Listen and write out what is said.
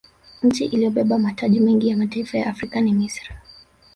nchi iliyobeba mataji mengi ya mataifa ya afrika ni misri